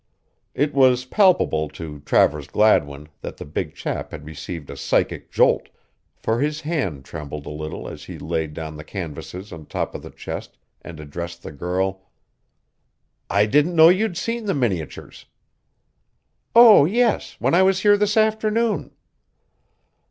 It was palpable to Travers Gladwin that the big chap had received a psychic jolt, for his hand trembled a little as he laid down the canvases on the top of the chest and addressed the girl: "I didn't know you'd seen the miniatures." "Oh, yes, when I was here this afternoon."